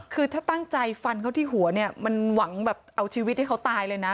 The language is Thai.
คือถ้าตั้งใจฟันเขาที่หัวเนี่ยมันหวังแบบเอาชีวิตให้เขาตายเลยนะ